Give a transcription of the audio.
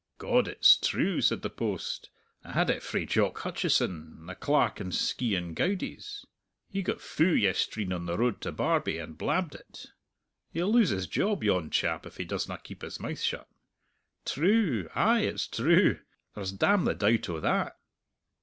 "God, it's true," said the post. "I had it frae Jock Hutchison, the clerk in Skeighan Goudie's. He got fou yestreen on the road to Barbie and blabbed it he'll lose his job, yon chap, if he doesna keep his mouth shut. True! ay, it's true! There's damn the doubt o' that."